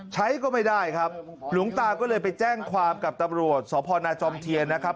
ใช้ก็ไม่ได้ครับหลวงตาก็เลยไปแจ้งความกับตำรวจสพนาจอมเทียนนะครับ